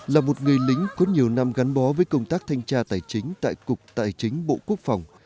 là một người lính có nhiều năm gắn bó với công tác thanh tra tài chính tại cục tài chính bộ quốc phòng